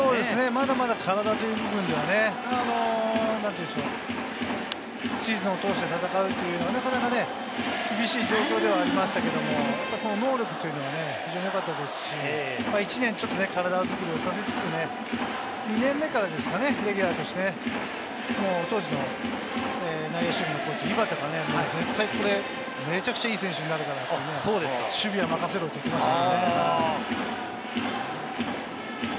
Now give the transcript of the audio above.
まだまだ体という部分ではね、なんて言うんでしょう、シーズンを通して戦うというのがなかなかね、厳しい状況ではありましたけれども、その能力というのは非常に良かったですし、１年ちょっと体作りをさせつつね、２年目からですかね、レギュラーとして当時の内野守備コーチ・井端がね、これめちゃくちゃいい選手になるって、守備は任せろって言ってました。